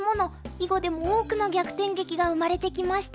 囲碁でも多くの逆転劇が生まれてきました。